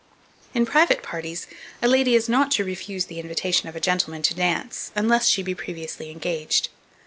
In private parties, a lady is not to refuse the invitation of a gentleman to dance, unless she be previously engaged.